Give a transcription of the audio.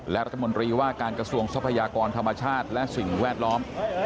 และรัฐมนตรีว่าการกระทรวงทรัพยากรธรรมชาติและสิ่งแวดล้อม